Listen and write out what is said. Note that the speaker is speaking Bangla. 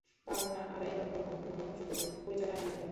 পাওনা আদায়ে তৎপর হোন কোনো গোপন শত্রুর পরিচয় জানা যেতে পারে।